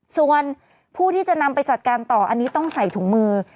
ส่วนผู้ที่จะนำไปจัดการต่ออันนี้ต้องใส่ถุงมือ